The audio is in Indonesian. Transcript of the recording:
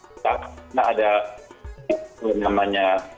kita tidak ada namanya